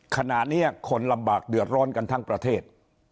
ขณะนี้คนลำบากเดือดร้อนกันทั้งประเทศ